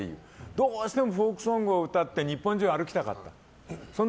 どうしてもフォークソングを歌って日本中を歩きたかったの。